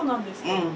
うん。